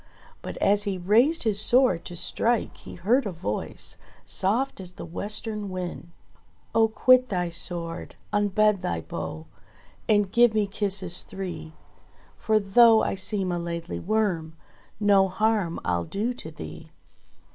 But as he raised his sword to strike he heard a voice, soft as the western wind : "Oh quit thy sword, unbend thy bow, And give me kisses three, For though I seem a Laidly Worm No harm I'll do to thee